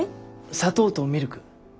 砂糖とミルク。